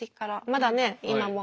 まだね今も。